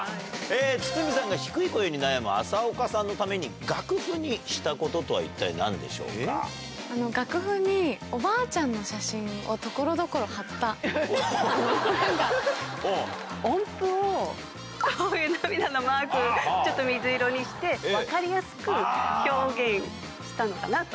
筒美さんが低い声に悩む麻丘さんのために楽譜にしたこととは一体楽譜におばあちゃんの写真を音符を、こういう涙のマーク、ちょっと水色にして、分かりやすく表現したのかなと。